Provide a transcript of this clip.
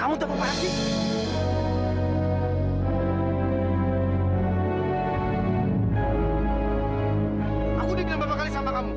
aku udah bilang beberapa kali sama kamu